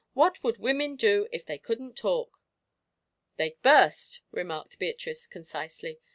"What would women do if they couldn't talk?" "They'd burst," remarked Beatrice, concisely.